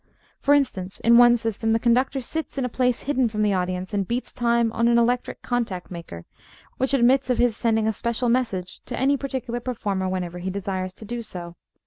For instance, in one system the conductor sits in a place hidden from the audience and beats time on an electric contact maker, which admits of his sending a special message to any particular performer whenever he desires to do so.